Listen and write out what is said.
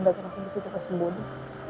bahkan aku bisa cepat sembunyi